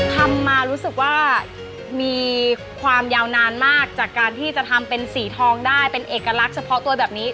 ทำมารู้สึกว่ามีความยาวนานมากจากการที่จะทำเป็นสีทองได้เป็นเอกลักษณ์เฉพาะตัวแบบนี้